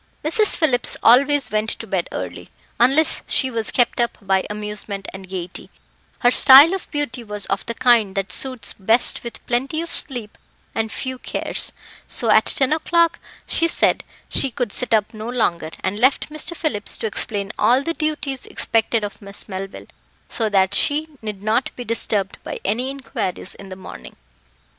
Mrs. Phillips always went to bed early, unless she was kept up by amusement and gaiety; her style of beauty was of the kind that suits best with plenty of sleep and few cares so at ten o'clock she said she could sit up no longer, and left Mr. Phillips to explain all the duties expected of Miss Melville, so that she need not be disturbed by any inquiries in the morning.